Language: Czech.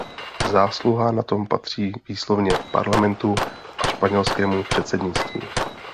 Zásluha na tom patří výslovně Parlamentu a španělskému předsednictví.